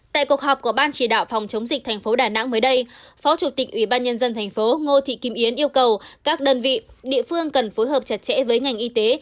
tại cuộc họp của ban chỉ đạo phòng chống dịch thành phố đà nẵng mới đây phó chủ tịch ủy ban nhân dân thành phố ngô thị kim yến yêu cầu các đơn vị địa phương cần phối hợp chặt chẽ với ngành y tế